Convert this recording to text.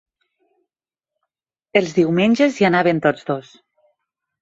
Els diumenges hi anaven tots dos.